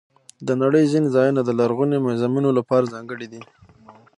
د نړۍ ځینې ځایونه د لرغوني میوزیمونو لپاره ځانګړي دي.